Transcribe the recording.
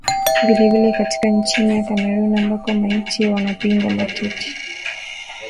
vilevile katika nchi ya Cameroon ambako maiti wanapigwa matiti